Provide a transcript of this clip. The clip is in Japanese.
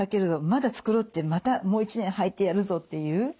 まだ繕ってまたもう１年はいてやるぞっていう。